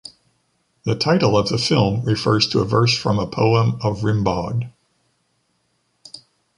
The title of the film refers to a verse from a poem of Rimbaud.